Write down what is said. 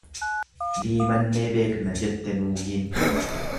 Diimannee beekna jette nuugiin.